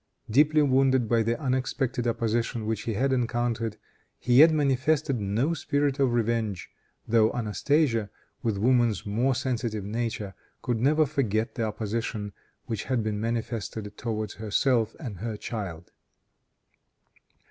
Deeply wounded by the unexpected opposition which he had encountered, he yet manifested no spirit of revenge, though Anastasia, with woman's more sensitive nature, could never forget the opposition which had been manifested towards herself and her child.